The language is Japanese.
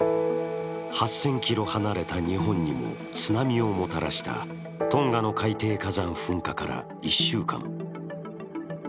８０００ｋｍ離れた日本にも津波をもたらしたトンガの海底火山噴火から１週間。